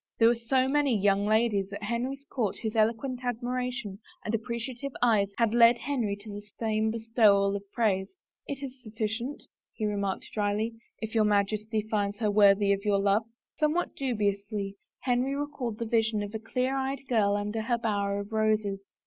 There were so many young ladies at Henry's court whose eloquent admiration and appreciative eyes had led Henry to the same bestowal of praise! " It is sufficient," he remarked dryly, " if your Majesty finds her worthy of your love." Somewhat dubiously Henry recalled the vision of a clear eyed girl under her bower of roses.